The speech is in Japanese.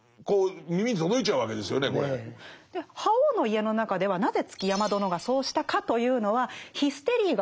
「覇王の家」の中ではなぜ築山殿がそうしたかというのはヒステリーが原因だとか。